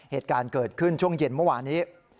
เหตุการณ์เกิดขึ้นช่วงเย็นเมื่อวานนี้